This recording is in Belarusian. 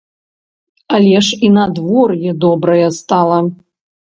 Але ж і надвор'е добрае стала!